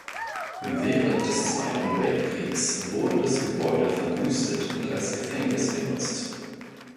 Während des Zweiten Weltkriegs wurde das Gebäude verwüstet und als Gefängnis genutzt.